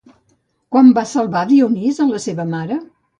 Quan va salvar Dionís a la seva mare?